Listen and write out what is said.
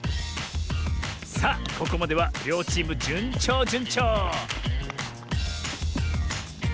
さあここまではりょうチームじゅんちょうじゅんちょう！